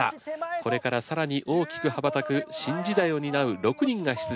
これから更に大きく羽ばたく新時代を担う６人が出場。